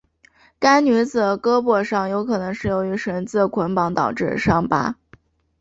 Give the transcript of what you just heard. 该女子的胳膊上有可能是由于绳子捆绑导致的伤疤。